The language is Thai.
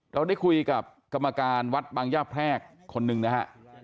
เราได้คุยกับกรรมการวัดบางย่าแพรกคนหนึ่งนะฮะ